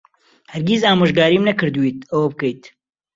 هەرگیز ئامۆژگاریم نەکردوویت ئەوە بکەیت.